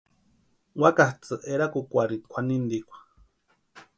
Úakatsʼï erakukwarhini kwʼanintikwa.